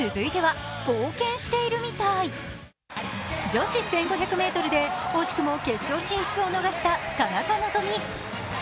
女子１５００ｍで惜しくも決勝進出を逃した田中希実。